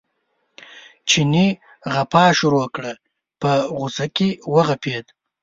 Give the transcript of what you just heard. چیني غپا شروع کړه په غوسه کې وغپېد.